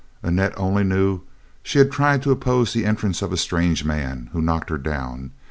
Annette only knew that she tried to oppose the entrance of a strange man, who knocked her down.